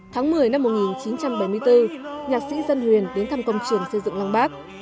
tháng một mươi năm một nghìn chín trăm bảy mươi bốn nhạc sĩ dân huyền đến thăm công trường xây dựng lăng bác